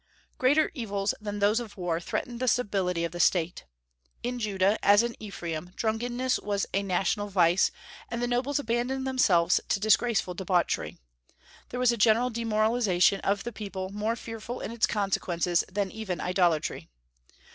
Greater evils than those of war threatened the stability of the state. In Judah as in Ephraim drunkenness was a national vice, and the nobles abandoned themselves to disgraceful debauchery. There was a general demoralization of the people more fearful in its consequences than even idolatry.